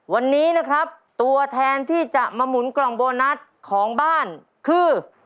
วันนี้นะครับตัวแทนที่จะมาหมุนกล่องโบนัสของบ้านคือ